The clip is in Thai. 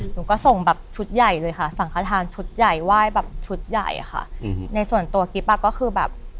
หนูก็ส่งแบบชุดใหญ่เลยค่ะสังขทานชุดใหญ่ไหว้แบบชุดใหญ่อะค่ะในส่วนตัวกิ๊บอ่ะก็คือแบบ